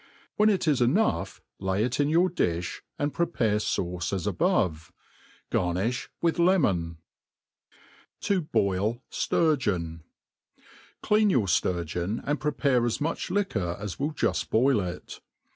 When ' it is enough, lay it in your diih, and prepare i^ce as above* Garnifli with lemon. To boil Sturgeon* CLEAN your fturgeon, and prepare as much liquor as will juft boil it.